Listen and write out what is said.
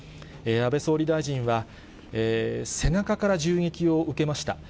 安倍総理大臣は背中から銃撃を受けました。